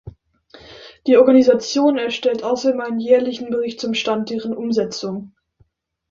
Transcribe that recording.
Die Organisation erstellt außerdem einen jährlichen Bericht zum Stand deren Umsetzung.